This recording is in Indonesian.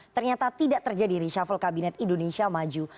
ternyata tidak terjadi reshuffle kabinet indonesia maju